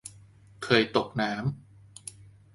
เคยตกน้ำ